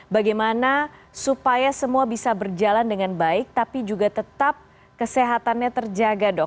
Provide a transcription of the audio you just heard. bagaimana supaya semua bisa berjalan dengan baik tapi juga tetap kesehatannya terjaga dok